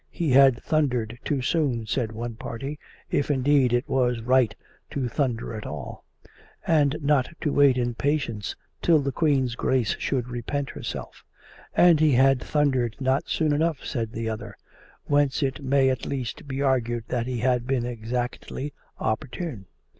He had thundered too soon, said one party, if, indeed, it was right to thunder at all, and not to wait in patience till the Queen's Grace should repent hers'elf ; and he had thundered not soon enough, said the other. Whence it may at least be argued that he had been exactly opportune.